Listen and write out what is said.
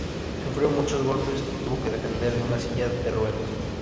Sufrió muchos golpes y tuvo que depender de una silla de ruedas.